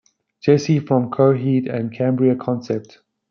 "Jesse" from the Coheed and Cambria concept.